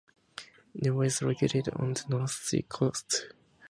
Newton was located on the North Sea coast.